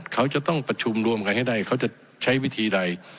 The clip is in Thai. เขาจะต้องประชุมรวมกันให้ได้เขาจะใช้วิธีใด